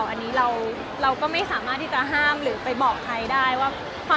วันนี้อยากจะบอกว่าเมื่อได้ถ่ายกันก่อน